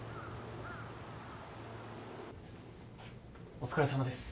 お疲れさまです。